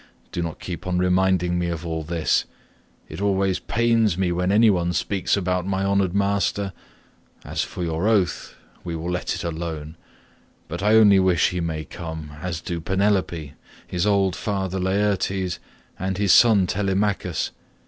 Do not keep on reminding me of all this; it always pains me when any one speaks about my honoured master. As for your oath we will let it alone, but I only wish he may come, as do Penelope, his old father Laertes, and his son Telemachus.